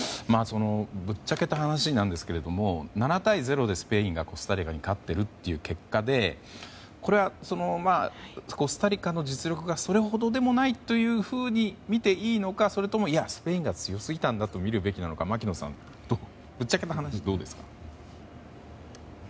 ぶっちゃけた話なんですが７対０でスペインがコスタリカに勝っているという結果でこれはコスタリカの実力がそれほどでもないというふうに見ていいのかそれともスペインが強すぎたとみるべきなのか槙野さん、ぶっちゃけの話どうですか？